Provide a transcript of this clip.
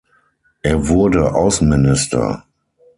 Er wurde Außenminister.